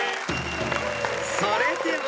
［それでは］